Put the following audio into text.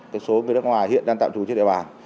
cái số người nước ngoài hiện đang tạm trú trên địa bàn